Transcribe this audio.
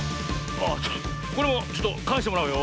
あっこれもちょっとかえしてもらうよ。